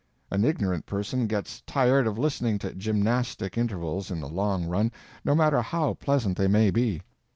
An ignorant person gets tired of listening to gymnastic intervals in the long run, no matter how pleasant they may be.